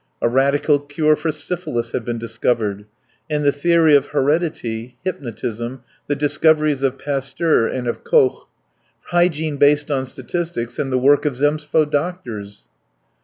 A radical cure for syphilis had been discovered. And the theory of heredity, hypnotism, the discoveries of Pasteur and of Koch, hygiene based on statistics, and the work of Zemstvo doctors!